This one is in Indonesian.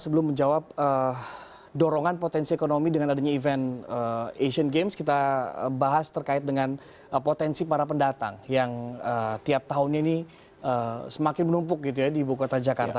sebelum menjawab dorongan potensi ekonomi dengan adanya event asian games kita bahas terkait dengan potensi para pendatang yang tiap tahunnya ini semakin menumpuk gitu ya di ibu kota jakarta